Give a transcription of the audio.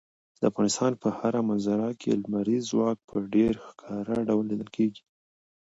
د افغانستان په هره منظره کې لمریز ځواک په ډېر ښکاره ډول لیدل کېږي.